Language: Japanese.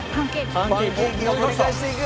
パンケーキが盛り返していく！